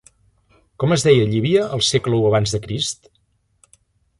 Com es deia Llívia al segle i aC?